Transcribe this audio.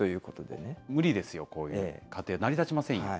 もう無理ですよ、こういう家庭、成り立ちませんよ。